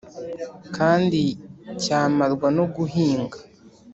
Kandi cyamarwa no guhinga!